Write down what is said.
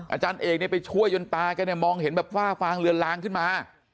อาจารย์เอกไปช่วยยนตากันมองเห็นฝ้าฟางเรือนลางขึ้นมา